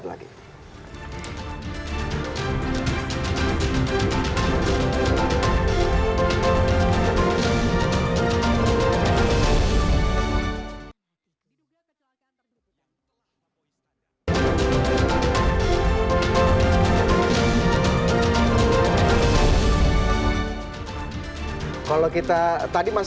kalau kita tadi mas eka mengatakan kebohongan kebohongan kebohongan ini bisa dikira kira